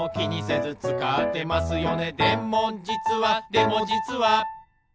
「でもじつはでもじつは」